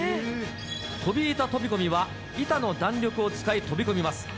飛板飛込は板の弾力を使い飛び込みます。